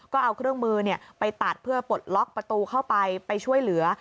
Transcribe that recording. ก็เอาเครื่องมือไปตัดเพื่อปลดล็อกประตูเข้าไปไปช่วยเหลือ